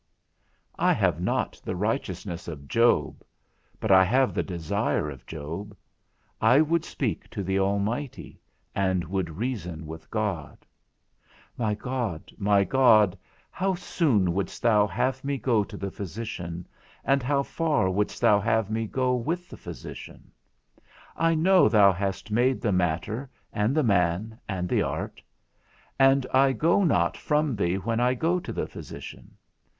I have not the righteousness of Job, but I have the desire of Job: I would speak to the Almighty, and I would reason with God. My God, my God, how soon wouldst thou have me go to the physician, and how far wouldst thou have me go with the physician? I know thou hast made the matter, and the man, and the art; and I go not from thee when I go to the physician.